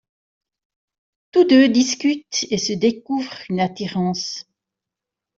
Tous deux discutent et se découvrent une attirance.